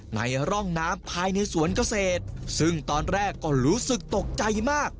ในร่องน้ำภายในสวนเกษตรซึ่งตอนแรกก็รู้สึกตกใจมาก